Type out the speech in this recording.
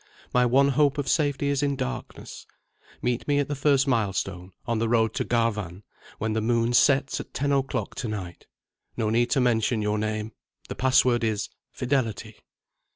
My one hope of safety is in darkness. Meet me at the first milestone, on the road to Garvan, when the moon sets at ten o'clock to night. No need to mention your name. The password is: _Fidelity."